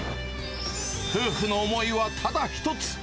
夫婦の思いはただ一つ。